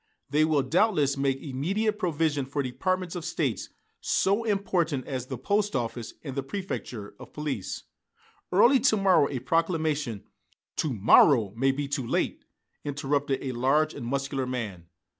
"They will, doubtless, make immediate provision for departments of State so important as the post office and the préfecture of police. Early to morrow a proclamation " "To morrow may be too late," interrupted a large and muscular man.